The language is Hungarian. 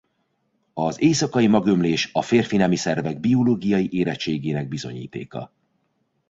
Az éjszakai magömlés a férfi nemi szervek biológiai érettségének bizonyítéka.